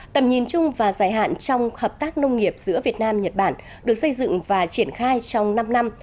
tầm nhìn chung và dài hạn trong hợp tác nông nghiệp giữa việt nam nhật bản được xây dựng và triển khai trong năm năm